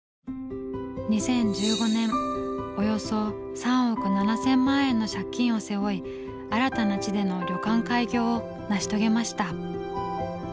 ２０１５年およそ３億７，０００万円の借金を背負い新たな地での旅館開業を成し遂げました。